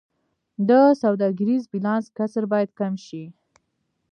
د سوداګریز بیلانس کسر باید کم شي